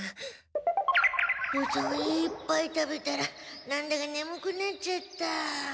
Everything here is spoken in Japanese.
うどんいっぱい食べたらなんだかねむくなっちゃった。